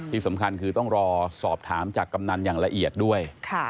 ที่สำคัญคือต้องรอสอบถามจากกำนันอย่างละเอียดด้วย